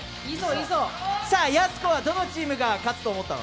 やす子はどのチームが勝つと思ったの？